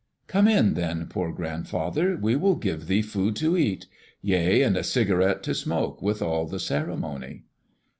"Come in, then, poor grandfather. We will give thee food to cat. Yea, and a cigarette to smoke, with all the ceremony."